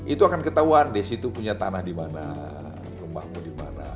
itu akan ketahuan di situ punya tanah dimana rumahmu dimana